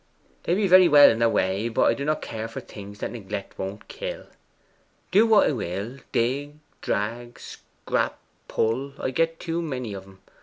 They be very well in their way, but I do not care for things that neglect won't kill. Do what I will, dig, drag, scrap, pull, I get too many of 'em.